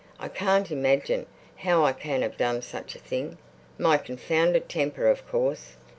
I can't imagine how I can have done such a thing. My confounded temper, of course.